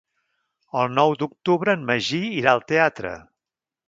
El nou d'octubre en Magí irà al teatre.